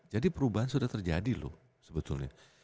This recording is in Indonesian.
jadi perubahan sudah terjadi loh sebetulnya